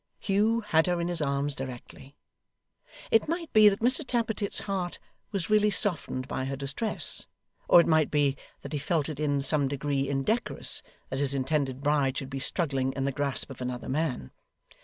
Hugh had her in his arms directly. It might be that Mr Tappertit's heart was really softened by her distress, or it might be that he felt it in some degree indecorous that his intended bride should be struggling in the grasp of another man.